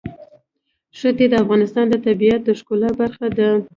ښتې د افغانستان د طبیعت د ښکلا برخه ده.